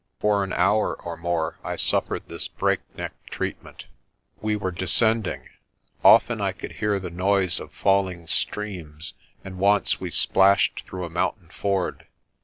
For an hour or more I suffered this breakneck treatment. We were descending. Often I could hear the noise of fall ing streams and once we splashed through a mountain ford.